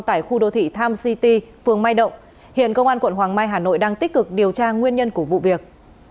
tại khu đô thị tham city phường mai động hiện công an quận hoàng mai hà nội đang tích cực điều tra nguyên nhân của vụ việc